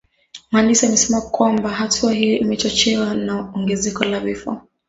Mhandisi amesema kwamba hatua hiyo imechochewa na ongezeko la vifo